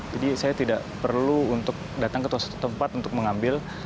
jadi saya tidak perlu datang ke satu tempat untuk mengambil